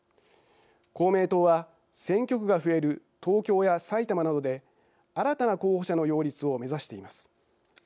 公明党は選挙区が増える東京や埼玉などで新たな候補者の擁立を目指しています。